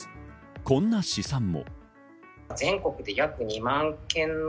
こんな試算も。